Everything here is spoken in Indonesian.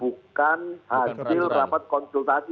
bukan hasil rapat konsultasi